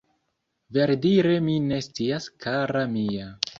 Verdire mi ne scias kara mia